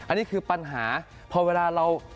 อันนี้คือปัญหาพอเวลาเรา